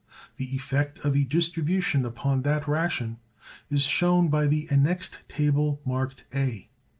The effect of a distribution upon that ration is shown by the annexed table, marked A.